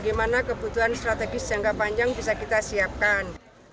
di mana kebutuhan strategis jangka panjang bisa kita siapkan